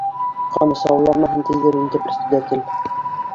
Ҡамасауламаһын, тиҙер инде председатель